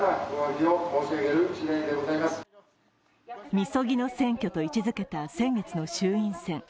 みそぎの選挙と位置づけた先月の衆院選。